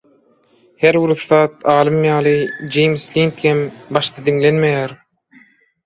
Herbir ussat alym ýaly James Lind hem başda diňlenmeýär.